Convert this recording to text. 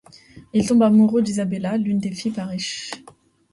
Il tombe amoureux d’Isabella, l'une des filles Parish.